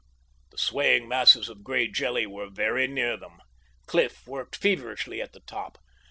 _" The swaying masses of gray jelly were very near them. Cliff worked feverishly at the top.